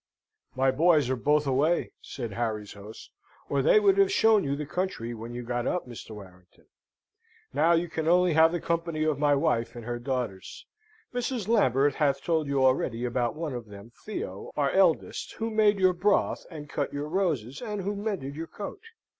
"My boys are both away," said Harry's host, "or they would have shown you the country when you got up, Mr. Warrington. Now you can only have the company of my wife and her daughters. Mrs. Lambert hath told you already about one of them, Theo, our eldest, who made your broth, who cut your roses, and who mended your coat.